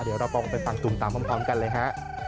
เดี๋ยวเราลองไปฟังตูมตามพร้อมกันเลยฮะ